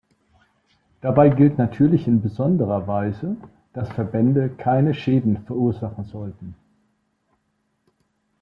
Dabei gilt natürlich in besonderer Weise, dass Verbände keine Schäden verursachen sollten.